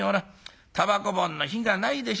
たばこ盆の火がないでしょ